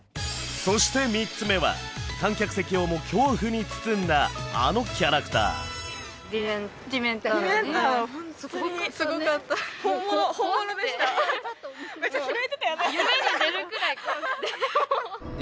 そして３つ目は観客席をも恐怖に包んだあのキャラクターめちゃくちゃ泣いてたよね